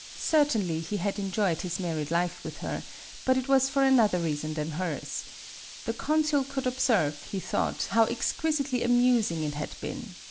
Certainly he had enjoyed his MADAME BUTTERFLY 59 married life with her, but it was for another reason than hers. The consul could observe, he thought, how exquisitely amusing it had been.